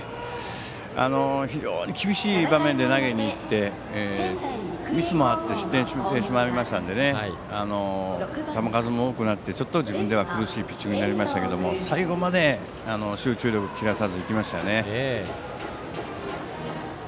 非常に厳しい場面で投げに行ってミスもあって失点してしまいましたので球数も多くなってちょっと自分では苦しいピッチングになりましたけど最後まで、集中力を切らさずにいきましたよね。